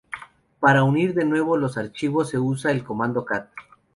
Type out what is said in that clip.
Para unir de nuevo los archivos se usa el comando cat.